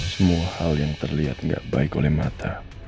semua hal yang terlihat tidak baik oleh mata